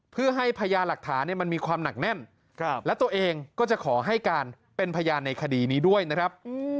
เพื่อให้พยานหลักฐานมันมีความหนักแน่นและตัวเองก็จะขอให้การเป็นพยานในคดีนี้ด้วยนะครับ